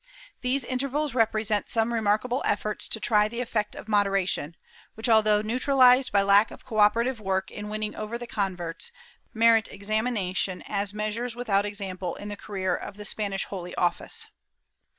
These intervals represent some remarkable efforts to try the effect of moderation, which, although neutrahzed by lack of cooperative work in winning over the converts, merit exami nation as measures without example in the career of the Spanish Holy Office.